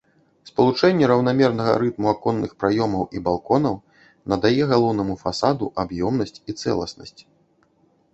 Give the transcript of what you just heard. Спалучэнне раўнамернага рытму аконных праёмаў і балконаў надае галоўнаму фасаду аб'ёмнасць і цэласнасць.